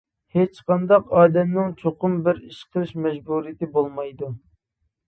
ھېچقانداق ئادەمنىڭ چوقۇم بىر ئىش قىلىش مەجبۇرىيىتى بولمايدۇ.